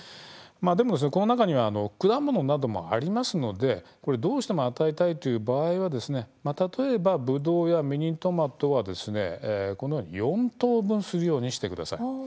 この中には果物などもありますので、どうしても与えたい場合は例えば、ぶどうやミニトマトは４等分するようにしてください。